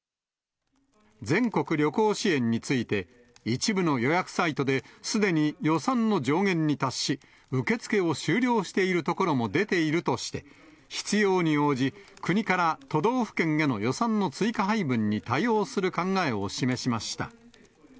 全国旅行支援について、一部の予約サイトですでに予算の上限に達し、受け付けを終了しているところも出ているとして、必要に応じ、国から都道府県への予算の追加配分に対応する考えを示しました。